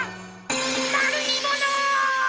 まるいもの！